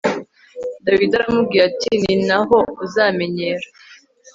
Dawidi aramubwira ati Ni naho uzamenyera